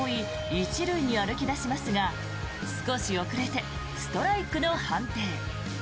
１塁に歩き出しますが少し遅れてストライクの判定。